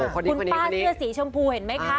คุณป้าเสื้อสีชมพูเห็นไหมคะ